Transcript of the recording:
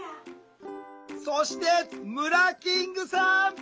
そしてムラキングさん！